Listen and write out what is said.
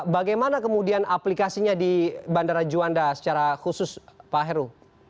bagaimana kemudian aplikasinya di bandara juanda secara khusus pak heru